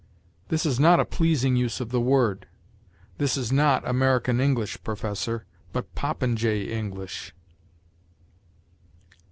This is not a pleasing use of the word." This is not American English, Professor, but popinjay English.